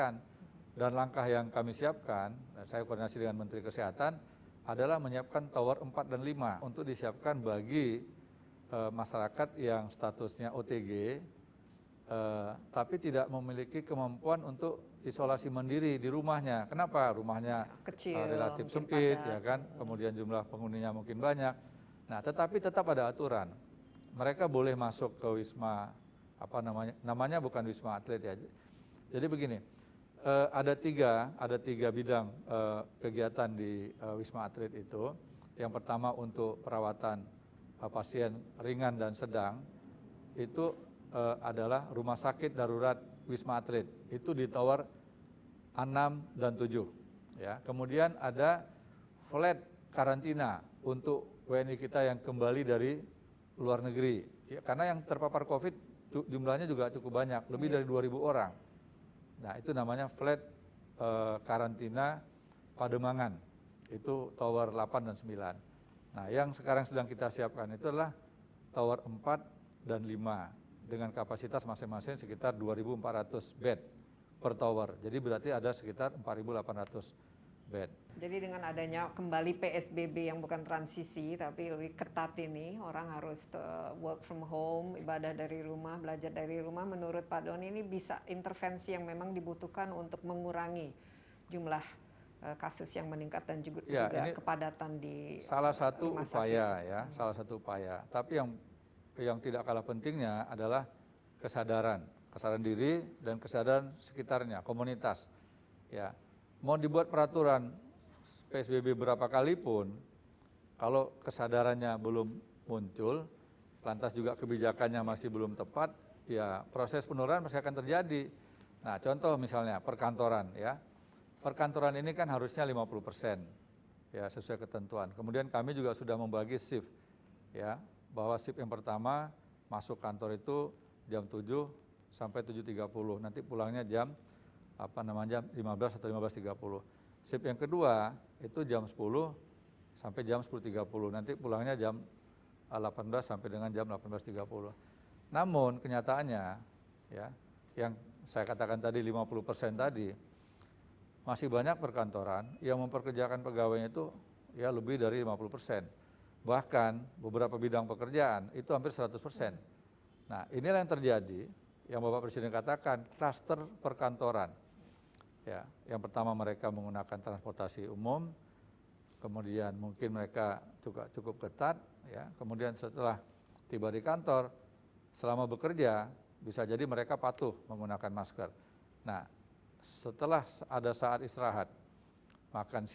nah khusus untuk lima daerah yang disurvey oleh tim perubahan perilaku jakarta kemudian jawa timur jawa tengah jawa barat dan kalimantan selatan